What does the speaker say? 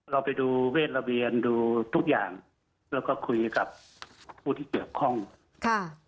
เราไปดูเวทระเวียนดูทุกอย่างแล้วก็คุยกับผู้ที่เกี่ยวข้องค่ะ